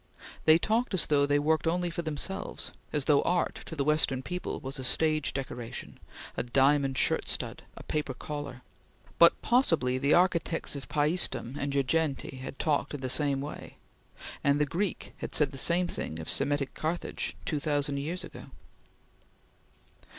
They talked as though they worked only for themselves; as though art, to the Western people, was a stage decoration; a diamond shirt stud; a paper collar; but possibly the architects of Paestum and Girgenti had talked in the same way, and the Greek had said the same thing of Semitic Carthage two thousand years ago.